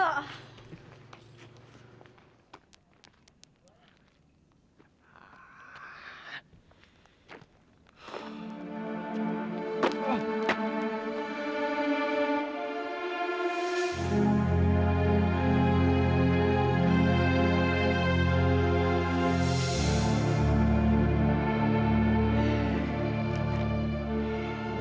saya sudah pulang